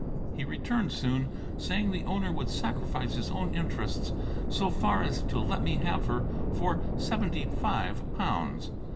He returned soon, saying the owner would sacrifice his own interests so far as to let me have her for seventy five pounds.